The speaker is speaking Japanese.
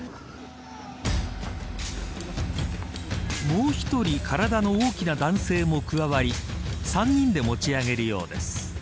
もう一人体の大きな男性も加わり３人で持ち上げるようです。